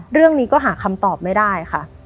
เรื่องนี้ก็หาคำตอบไม่ได้ค่ะ